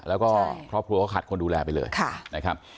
แล้วก็ครอบครัวเขาขาดคนดูแลไปเลยนะครับ